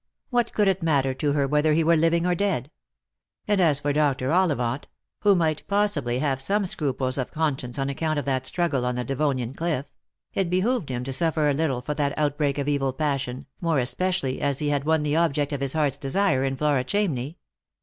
What could it matter to her whether he were living or dead ? And as for Dr. Ollivant — who might possibly have some scruples of con science on account of that struggle on the Devonian cliff — it behoved him. to suffer a little for that outbreak of evil passion, more especially as he had won the object of his heart's desire in Flora Ohamney.